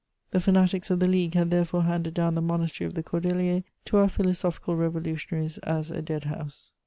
The fanatics of the League had therefore handed down the monastery of the Cordeliers to our philosophical revolutionaries as a dead house.